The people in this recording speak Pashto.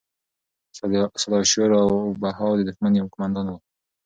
سداشیو راو بهاو د دښمن یو قوماندان و.